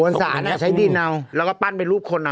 มวลศาลเอาดินใช้ดินแล้วก็ปั้นเป็นรูปคน